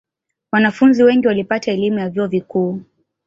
wanafunzi wengi walipata elimu ya vyuo vikuu